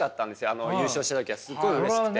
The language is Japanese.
あの優勝した時はすごいうれしくて。